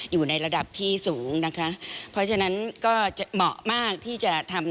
อยู่ในระดับที่สูงนะคะเพราะฉะนั้นก็จะเหมาะมากที่จะทำ